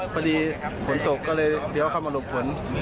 พอดีฝนตกก็เลยเลี้ยวเข้ามาหลบฝน